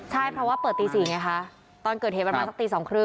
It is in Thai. ใช่เพราะว่าเปิดตี๔ไงคะตอนเกิดเหตุประมาณสักตี๒๓๐